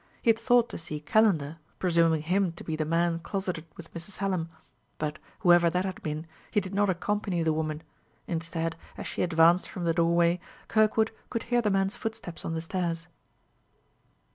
He had thought to see Calendar, presuming him to be the man closeted with Mrs. Hallam; but, whoever that had been, he did not accompany the woman. Indeed, as she advanced from the doorway, Kirkwood could hear the man's footsteps on the stairs.